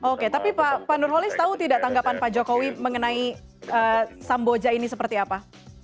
oke tapi pak nurholis tahu tidak tanggapan pak jokowi mengenai samboja ini seperti apa